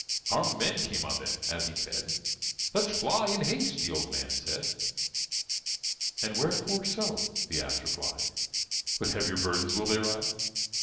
Arm'd men came on them as he fed: "Let's fly," in haste the old man said. "And wherefore so?" the ass replied; "With heavier burdens will they ride?"